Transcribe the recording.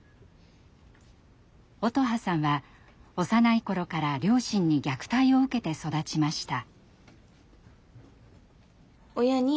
音羽さんは幼い頃から両親に虐待を受けて育ちました。